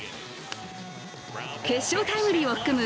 決勝タイムリーを含む